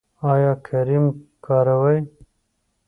ایا کریم کاروئ؟